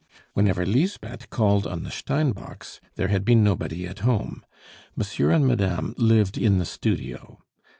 Whenever Lisbeth called on the Steinbocks, there had been nobody at home. Monsieur and madame lived in the studio.